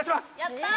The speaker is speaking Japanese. やった。